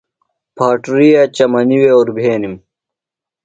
پھاٹُرِیا چمنی وے اُربھینِم۔